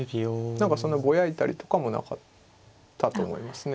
何かそんなぼやいたりとかもなかったと思いますね。